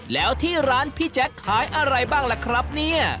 แล้วที่ร้านพี่แจ๊คขายอะไรบ้างล่ะครับเนี่ย